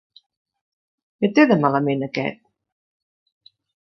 Què té de malament aquest?